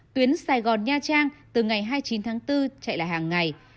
tuyến sài gòn nha trang từ ngày hai mươi chín tháng bốn chạy lại hàng ngày